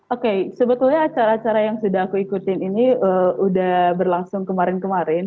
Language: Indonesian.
oke sebetulnya acara acara yang sudah aku ikutin ini sudah berlangsung kemarin kemarin